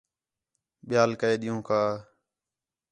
ٻِیال کے ݙِین٘ہوں کا